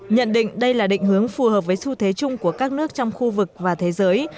nhận định đây là định hướng phù hợp với xu thế chung của các nước trong khu vực và thế giới